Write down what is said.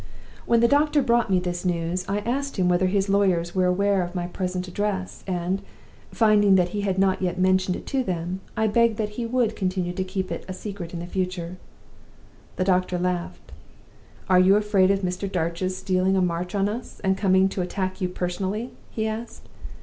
"When the doctor brought me this news, I asked him whether his lawyers were aware of my present address; and, finding that he had not yet mentioned it to them, I begged that he would continue to keep it a secret for the future. The doctor laughed. 'Are you afraid of Mr. Darch's stealing a march on us, and coming to attack you personally?' he asked.